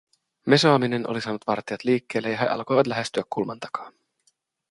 Mesoaminen oli saanut vartijat liikkeelle, ja he alkoivat lähestyä kulman takaa.